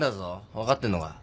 分かってんのか？